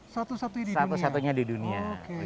satu satunya di dunia